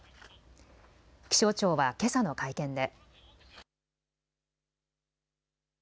気象庁はけさの会見で。